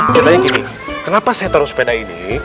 ceritanya gini kenapa saya taruh sepeda ini